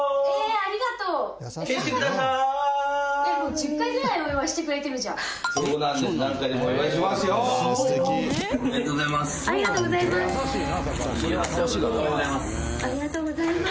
ありがとうございます。